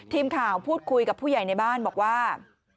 ทีมข่าวพูดคุยกับผู้ใหญ่ในบ้านบอกว่า